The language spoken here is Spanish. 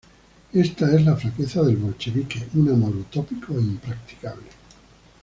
Ésta es la flaqueza del bolchevique: un amor utópico, e impracticable.